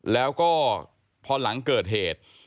แล้วก็พอหลังเกิดเหตุ